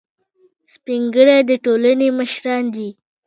سپین ږیری د ټولنې مشران دي